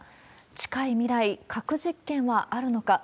近い未来、核実験はあるのか。